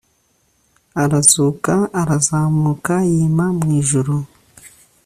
Arazuk'arazamuka, yima mw ijuru.